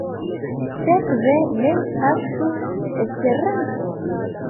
Sekve, ne kaŝu Esperanton.